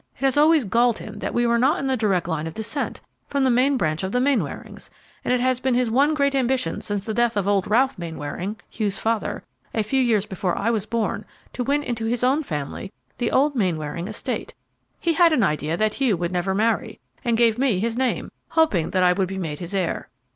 It has always galled him that we were not in the direct line of descent from the main branch of the Mainwarings; and it has been his one great ambition since the death of old Ralph Mainwaring, Hugh's father, a few years before I was born, to win into his own family the old Mainwaring estate. He had an idea that Hugh would never marry, and gave me his name, hoping that I would be made his heir.